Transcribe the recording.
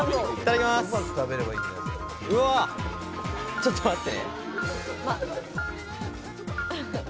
ちょっと待って。